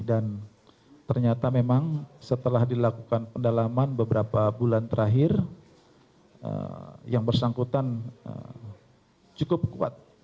dan ternyata memang setelah dilakukan pendalaman beberapa bulan terakhir yang bersangkutan cukup kuat